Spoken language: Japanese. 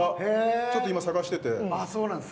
ちょっと今、探してて。